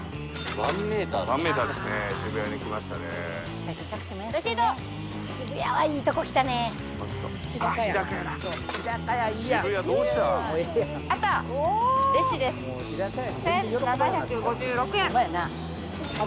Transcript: １，７５６円！